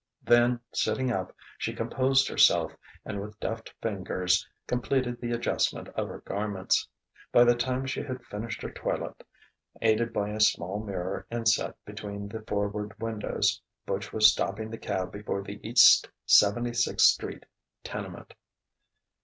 Then, sitting up, she composed herself, and with deft fingers completed the adjustment of her garments. By the time she had finished her toilet, aided by a small mirror inset between the forward windows, Butch was stopping the cab before the East Seventy sixth Street tenement.